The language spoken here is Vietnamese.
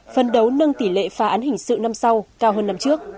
phân đấu nâng tỷ lệ phá án hình sự năm sau cao hơn năm trước